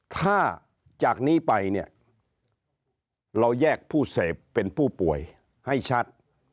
ถ้าจากนี้ไปเนี่ยเราแยกผู้เสพเป็นผู้ป่วยให้ชัด